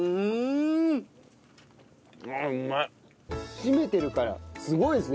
締めてるからすごいですね